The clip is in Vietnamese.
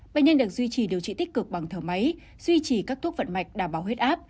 bệnh nhân được duy trì điều trị tích cực bằng thở máy duy trì các thuốc vận mạch đảm bảo huyết áp